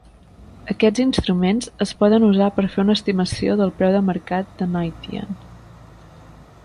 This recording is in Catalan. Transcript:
Aquests instruments es poden usar per fer una estimació del preu de mercat de Knightian.